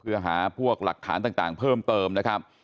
เพื่อหาพวกหลักฐานต่างเพิ่มเติมนะครับ